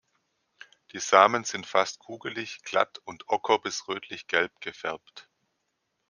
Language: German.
Die Samen sind fast kugelig, glatt und ocker- bis rötlichgelb gefärbt.